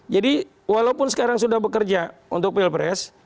jadi walaupun sekarang sudah bekerja untuk pilpres